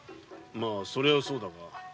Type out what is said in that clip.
まそれはそうだが。